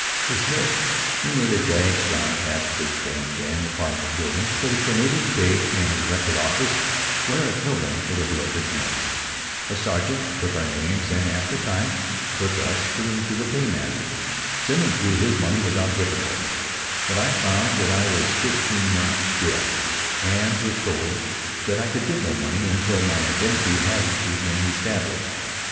Dismissed, we made a dash down past Big Ben and the Parliament Buildings for the Canadian Pay and Record Office, where at Millbank it overlooked the Thames. A sergeant took our names and after a time took us, too, in to the paymaster. Simmons drew his money without difficulty but I found that I was fifteen months dead and was told that I could get no money until my identity was reëstablished.